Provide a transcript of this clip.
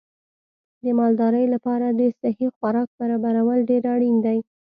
د مالدارۍ لپاره د صحي خوراک برابرول ډېر اړین دي.